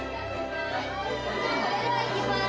それではいきます。